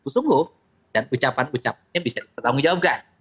sungguh dan ucapan ucapan bisa ditanggung jawabkan